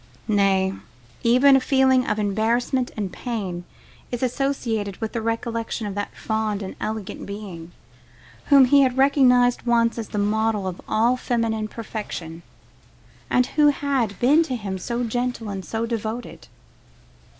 Nay, even a feeling of embarrassment and pain is associated with the recollection of that fond and elegant being, whom he had recognised once as the model of all feminine perfection, and who had been to him so gentle and so devoted.